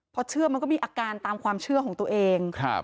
พอเชื่อมันก็มีอาการตามความเชื่อของตัวเอง